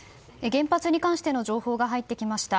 原発に関しての情報が入ってきました。